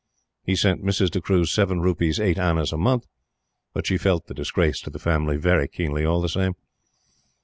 He sent Mrs D'Cruze seven rupees eight annas a month; but she felt the disgrace to the family very keenly all the same.